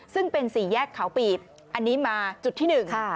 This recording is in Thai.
ซึ่งเป็นศรีแยกขาวปีบอันนี้มาจุดที่๑